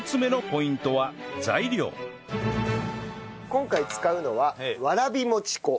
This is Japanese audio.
今回使うのはわらびもち粉。